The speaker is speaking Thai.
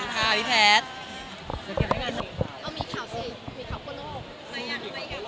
ขอบคุณมาก